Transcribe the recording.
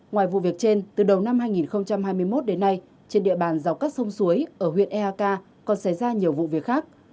ngoài vụ việc trên từ đầu năm hai nghìn hai mươi một đến nay trên địa bàn dọc các sông suối ở huyện eak còn xảy ra nhiều vụ việc khác